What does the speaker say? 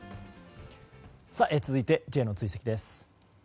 続いて、Ｊの追跡です。